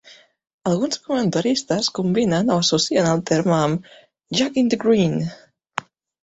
Alguns comentaristes combinen o associen el terme amb "Jack in the Green".